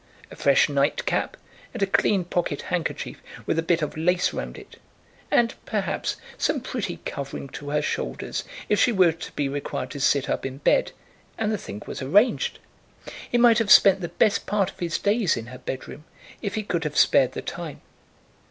A fresh nightcap, and a clean pocket handkerchief with a bit of lace round it, and, perhaps, some pretty covering to her shoulders if she were to be required to sit up in bed, and the thing was arranged. He might have spent the best part of his days in her bedroom if he could have spared the time.